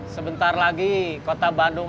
sebentar lagi kota bandung